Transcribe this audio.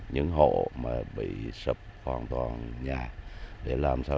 những hộ bị sập hoàn toàn nhà